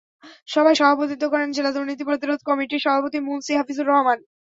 সভায় সভাপতিত্ব করেন জেলা দুর্নীতি প্রতিরোধ কমিটির সভাপতি মুন্সি হাফিজুর রহমান।